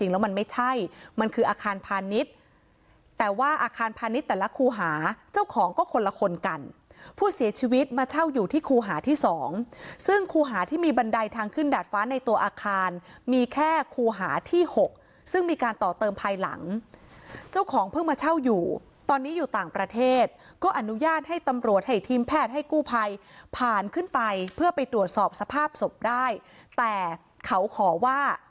แล้วมันไม่ใช่มันคืออาคารพาณิชย์แต่ว่าอาคารพาณิชย์แต่ละคู่หาเจ้าของก็คนละคนกันผู้เสียชีวิตมาเช่าอยู่ที่คูหาที่สองซึ่งคูหาที่มีบันไดทางขึ้นดาดฟ้าในตัวอาคารมีแค่คูหาที่หกซึ่งมีการต่อเติมภายหลังเจ้าของเพิ่งมาเช่าอยู่ตอนนี้อยู่ต่างประเทศก็อนุญาตให้ตำรวจให้ทีมแพทย์ให้กู้ภัยผ่านขึ้นไปเพื่อไปตรวจสอบสภาพศพได้แต่เขาขอว่า